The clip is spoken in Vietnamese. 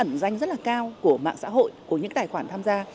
do tính ẩn danh rất là cao của mạng xã hội của những tài khoản tham gia